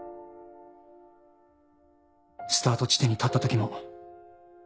スタート地点に立ったときも。